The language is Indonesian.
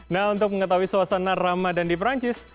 nah untuk mengetahui suasana ramadan di perancis